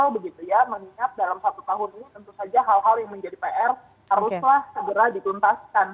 begitu ya mengingat dalam satu tahun ini tentu saja hal hal yang menjadi pr haruslah segera dituntaskan